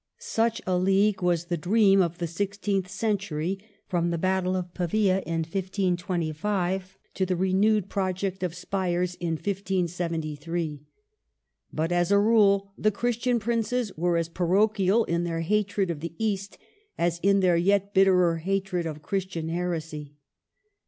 Such a league was the dream of the sixteenth century, from the Battle of Pavia in 1525 to the renewed project of Spires in 1573. But, as a rule, the Christian princes were as parochial in their hatred of the East as in their yet bitterer hatred of Christian heresy.